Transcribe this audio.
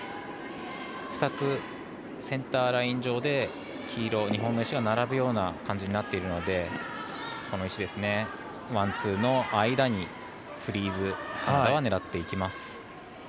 ２つ、センターライン上で黄色、日本の石が並ぶような形になっているのでワン、ツーの間にフリーズをカナダは狙っていきます。